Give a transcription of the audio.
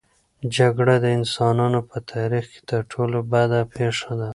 جګړه د انسانانو په تاریخ کې تر ټولو بده پېښه ده.